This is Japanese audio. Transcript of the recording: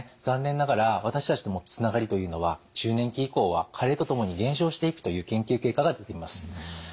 残念ながら私たちのつながりというのは中年期以降は加齢とともに減少していくという研究結果が出ています。